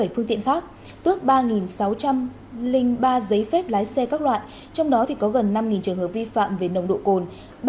bảy phương tiện khác tước ba sáu trăm linh ba giấy phép lái xe các loại trong đó có gần năm trường hợp vi phạm về nồng độ cồn